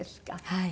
はい。